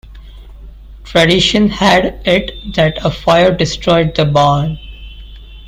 Tradition had it that a fire destroyed the barn.